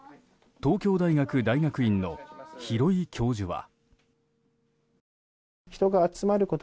東京大学大学院の廣井教授は。